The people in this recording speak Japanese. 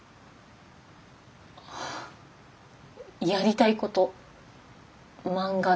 やりたいこと漫画でしたか？